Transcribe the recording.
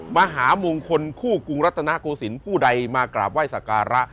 มหามงคลคู่กรุงรัฐนาโกศิลป์ผู้ใดมากราบไห้สักการะ